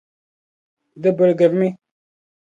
Di biligirimi.